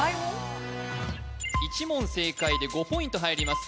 １問正解で５ポイント入ります